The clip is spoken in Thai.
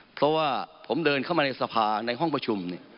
เพราะว่าผมเดินเข้ามาในสภาในห้องประชุม